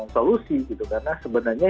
solusi karena sebenarnya